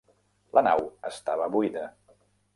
La nau estava buida.